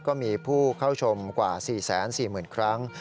ก็มีผู้เข้าชมกว่า๔๔๐๐๐ครั้ง